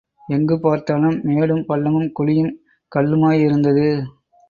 எங்கு பார்த்தாலும் மேடும், பள்ளமும் குழியும், கல்லுமாயிருந்தது.